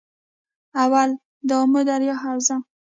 اول- دآمو دریا حوزه